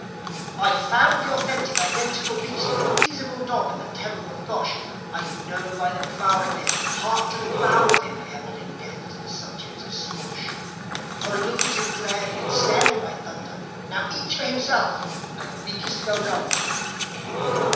"I've found the authentic, identical beast! The Feasible Dog, and the terror of Gosh! I know by the prowl of him. Hark to the growl of him! Heralding death to the subjects of Splosh. Oh, look at him glaring and staring, by thunder! Now each for himself, and the weakest goes under!